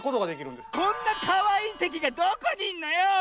こんなかわいいてきがどこにいんのよ！